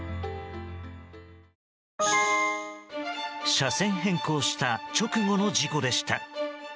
車線変更した直後の事故でした。